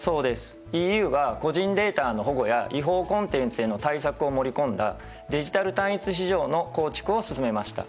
ＥＵが個人データの保護や違法コンテンツへの対策を盛り込んだデジタル単一市場の構築を進めました。